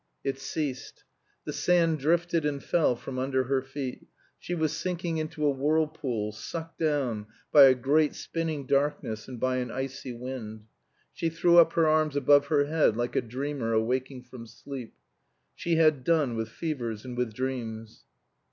It ceased. The sand drifted and fell from under her feet; she was sinking into a whirlpool, sucked down by a great spinning darkness and by an icy wind. She threw up her arms above her head like a dreamer awaking from sleep. She had done with fevers and with dreams.